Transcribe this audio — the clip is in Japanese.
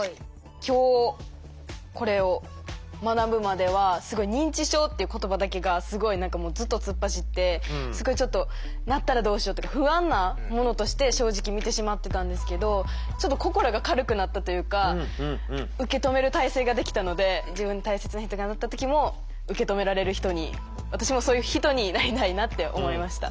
今日これを学ぶまではすごい認知症っていう言葉だけがすごい何かもうずっと突っ走ってちょっとなったらどうしようとか不安なものとして正直見てしまってたんですけどちょっと心が軽くなったというか受け止める態勢ができたので自分の大切な人がなった時も受け止められる人に私もそういう人になりたいなって思いました。